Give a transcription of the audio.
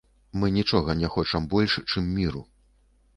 Мы нічога не хочам больш, чым міру.